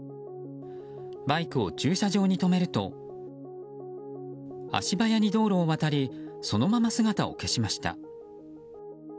バイクを駐車場に止めると足早に道路を渡りそのまま姿を消しました。